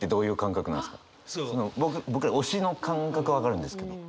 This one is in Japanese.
僕ら推しの感覚は分かるんですけど。